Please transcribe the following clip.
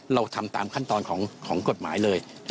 เราทำตามขั้นตอนของกฎหมายเลย